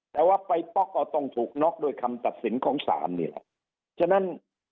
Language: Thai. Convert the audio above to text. แต่ว่าไปป๊อกก็ต้องถูกน็อกด้วยคำตัดสินของศาลนี่แหละฉะนั้น